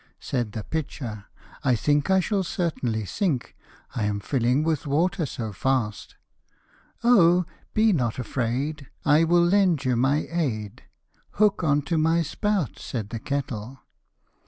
Said the pitcher, " I think I shall certainly sink, I am filling with water so fast." " Oh ! be not afraid, I will lend you my aid ; Hook on to my spout," said the kettle.